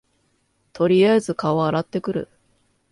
とりあえず顔洗ってくる